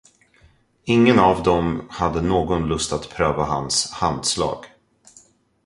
Ingen av dem hade någon lust att pröva hans handslag.